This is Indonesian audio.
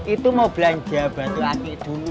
itu mau belanja batu aki dulu